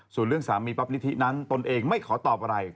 ส่วนเรื่องสามีป๊อปนิธินั้นตนเองไม่ขอตอบอะไร